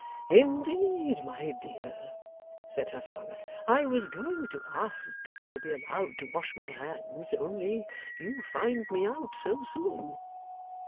'Indeed, my dear,' said her father, 'I was going to ask to be allowed to wash my hands, only you find me out so soon.